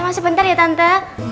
sama sama sebentar ya tante